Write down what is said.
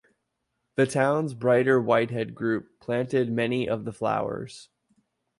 The town's Brighter Whitehead group planted many of the flowers.